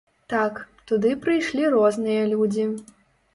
Так, туды прыйшлі розныя людзі.